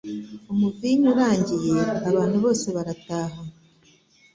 Umuvinyu urangiye, abantu bose barataha.